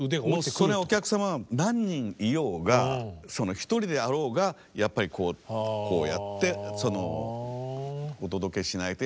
そのお客さまは何人いようが一人であろうがやっぱりこうやってお届けしないとやっぱり駄目だなと。